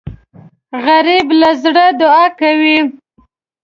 غریب له زړه دعا کوي